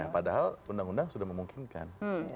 padahal undang undang sudah memungkinkan